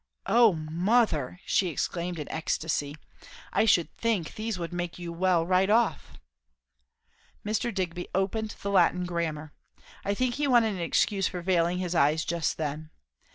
"O mother!" she exclaimed in ecstasy, "I should think these would make you well right off!" Mr. Digby opened the Latin grammar. I think he wanted an excuse for veiling his eyes just then.